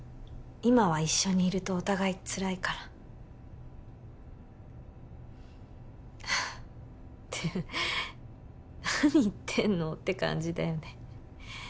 今は一緒にいるとお互いつらいからって何言ってんのって感じだよね